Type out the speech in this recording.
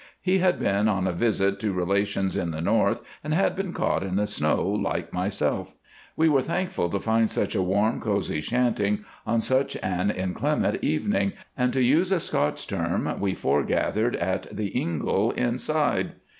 He had been on a visit to relations in the North, and had been caught in the snow like myself. We were both thankful to find such a warm, cosy shanty on such an inclement evening, and, to use a Scots term, we foregathered at the ingle inside.